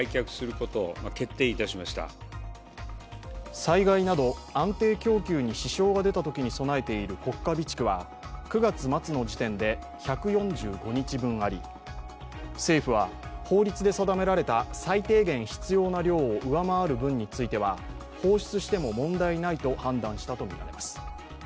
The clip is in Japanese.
災害など安定供給に支障が出たときに備えている国家備蓄は９月末の時点で１４５日分あり、政府は法律で定められた最低限必要な量を上回る分については放出しても問題ないと判断したとみられます。